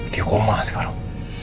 dia koma sekarang